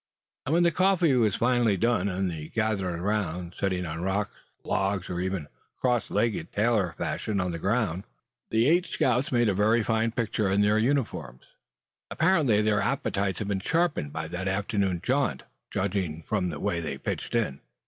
And when the coffee was finally done, and they gathered around, sitting on rocks, logs, or even cross legged, tailor fashion, on the ground, the eight scouts made a very fine picture in their uniforms. Apparently their appetites had been sharpened by that afternoon jaunt, judging from the way they pitched in.